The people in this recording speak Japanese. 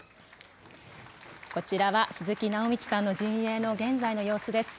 こちらは鈴木直道さんの陣営の現在の様子です。